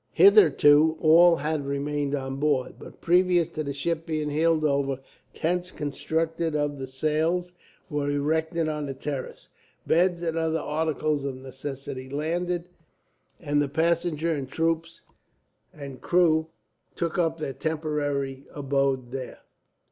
Hitherto all had remained on board; but previous to the ship being heeled over, tents constructed of the sails were erected on the terrace, beds and other articles of necessity landed, and the passengers, troops, and crew took up their temporary abode there.